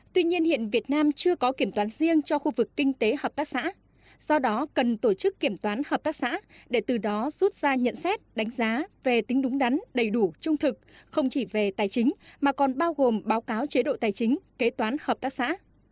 tuy nhiên hiện việt nam chưa có kiểm toán riêng cho khu vực kinh tế hợp tác xã do đó cần tổ chức kiểm toán hợp tác xã để từ đó rút ra nhận xét đánh giá về tính đúng đắn đầy đủ trung thực không chỉ về tài chính mà còn bao gồm báo cáo chế độ tài chính kế toán hợp tác xã